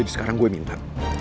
jadi sekarang gue minta